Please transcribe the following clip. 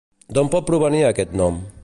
D'on pot provenir aquest nom?